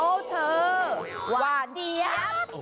โอ้โหเธอหวานเจี๊ยบ